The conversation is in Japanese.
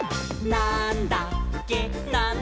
なんだっけ？！」